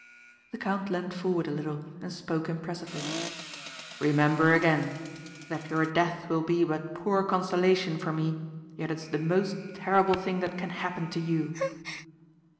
The count leaned forward a little and spoke impressively. "Remember again, that your death will be but poor consolation for me yet it is the most terrible thing that can happen to you."